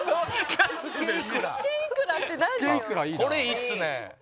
これいいっすね。